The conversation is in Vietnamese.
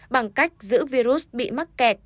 bằng cách giữ virus bị mắc kẹt